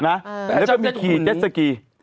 แล้วก็มีขี่เจ็ดสกี